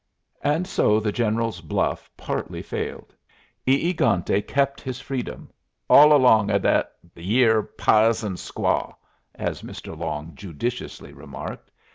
And so the General's bluff partly failed. E egante kept his freedom, "all along o' thet yere pizen squaw," as Mr. Long judiciously remarked.